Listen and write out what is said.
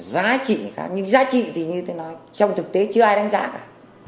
giá trị thì khác nhưng giá trị thì như tôi nói trong thực tế chưa ai đánh giá cả